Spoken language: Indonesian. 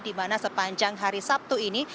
dimana sepanjang hari sabtu ini